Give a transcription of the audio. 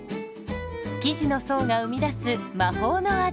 生地の層が生み出す魔法の味。